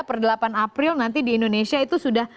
per delapan april nanti di indonesia itu sudah